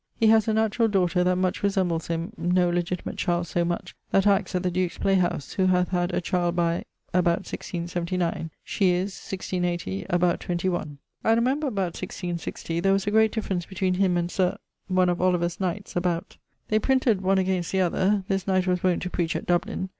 He has a naturall daughter that much resembles him, no legitimate child so much, that acts at the Duke's play house, who hath had a child by ... about 1679. She is (1680) about 21. I remember about 1660 there was a great difference between him and Sir ......, one of Oliver's knights, about.... They printed one against the other: this knight was wont to preach at Dublin.